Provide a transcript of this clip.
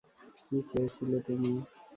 কী চেয়েছিলে তুমি?